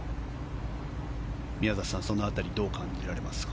宮里さん、その辺りどう感じられますか？